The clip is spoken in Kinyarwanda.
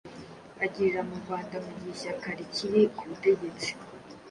agirira mu Rwanda mu gihe ishyaka rikiri ku butegetsi